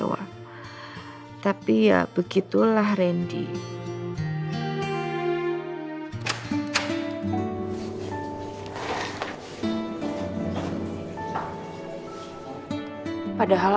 hati hati di jalan